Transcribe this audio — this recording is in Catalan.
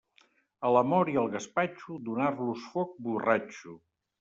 A l'amor i al gaspatxo, donar-los foc borratxo.